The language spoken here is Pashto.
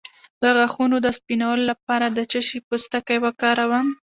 د غاښونو د سپینولو لپاره د څه شي پوستکی وکاروم؟